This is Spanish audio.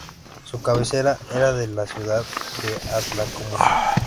Su cabecera era la ciudad de Atlacomulco.